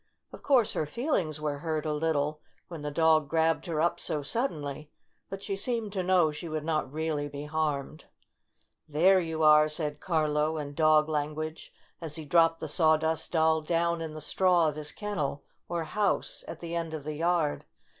Of course her feelings were hurt a little when the dog grabbed her up so suddenly, but she seemed to know she would not really be harmed. " There you are!" said Carlo, in dog language, as he dropped the Sawdust Doll down in the straw of his kennel, or house, at the end of the yard.